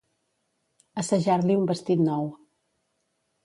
Assajar-li un vestit nou.